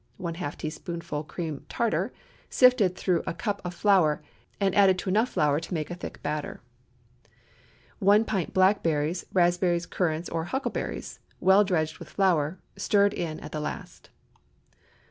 ½ teaspoonful cream tartar, sifted through a cup of flour, and added to enough flour to make a thick batter. 1 pint blackberries, raspberries, currants, or huckleberries, well dredged with flour—stirred in at the last.